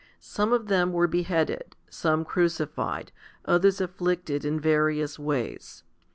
21 Some of them were beheaded, some crucified, others afflicted in various ways.